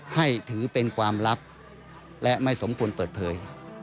ให้ถือเป็นความลับและไม่สมควรเปิดเผย